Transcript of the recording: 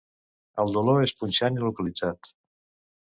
El dolor és punxant i localitzat.